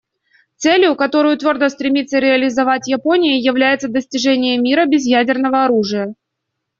Целью, которую твердо стремится реализовать Япония, является достижение мира без ядерного оружия.